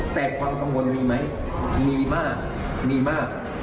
แต่ความกังวลมีไหมมีมากมีมาก